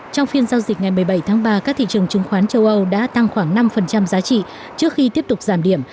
trong phiên giao dịch ngày một mươi bảy tháng ba các thị trường chứng khoán châu âu đã tăng khoảng năm giá trị trước khi tiếp tục giảm điểm